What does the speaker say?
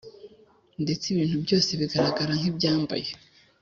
ndetse ibintu byose bigaragara nk’ibyambaye